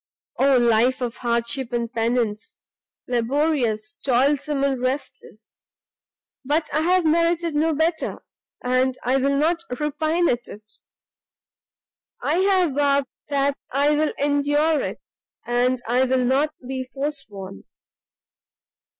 "Oh life of hardship and pennance! laborious, toilsome, and restless! but I have merited no better, and I will not repine at it; I have vowed that I will endure it, and I will not be forsworn.